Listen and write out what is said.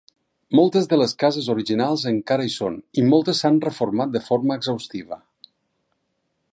Moltes de les cases originals encara hi són i moltes s"han reformat de forma exhaustiva.